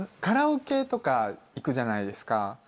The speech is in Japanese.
カラオケとか行くじゃないですか。